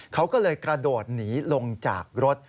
เขาก็เลยกระโดดหนีลงจากรถ